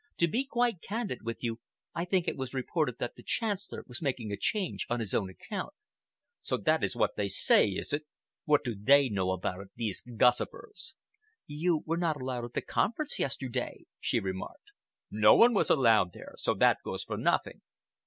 "To be quite candid with you, I think it was reported that the Chancellor was making a change on his own account." "So that is what they say, is it? What do they know about it—these gossipers?" "You were not allowed at the conference yesterday," she remarked. "No one was allowed there, so that goes for nothing."